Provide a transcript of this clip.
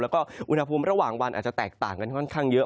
แล้วก็อุณหภูมิระหว่างวันอาจจะแตกต่างกันค่อนข้างเยอะ